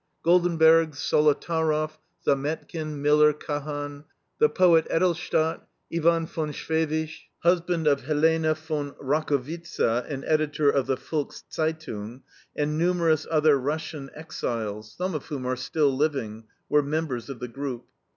Goldenberg, Solotaroff, Zametkin, Miller, Cahan, the poet Edelstadt, Ivan von Schewitsch, husband of Helene von Racowitza and editor of the VOLKSZEITUNG, and numerous other Russian exiles, some of whom are still living, were members of this group.